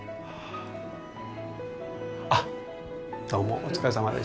あっどうもお疲れさまでした。